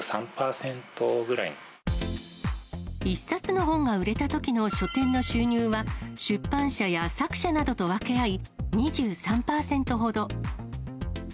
１冊の本が売れたときの書店の収入は、出版社や作者などと分け合い２３％ほど。